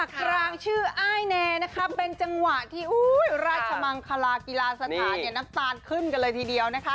ครางชื่ออ้ายแนเป็นจังหวะที่ราชมังคลากีฬาสถานนักตาลขึ้นเลยทีเดียว